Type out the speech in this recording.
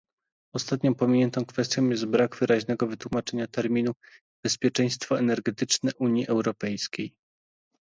Ostatnią pominiętą kwestią jest brak wyraźnego wytłumaczenia terminu "bezpieczeństwo energetyczne Unii Europejskiej"